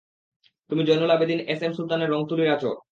তুমি Zainul Abedin, S M সুলতানের রঙ তুলীর আঁচড়।